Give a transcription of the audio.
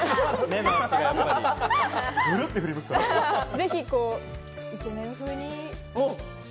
ぜひイケメン風に。